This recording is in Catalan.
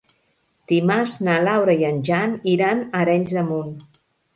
Dimarts na Laura i en Jan iran a Arenys de Munt.